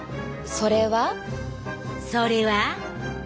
それは。それは。